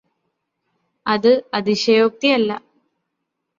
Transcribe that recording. അത് അതിശയൊക്തിയല്ല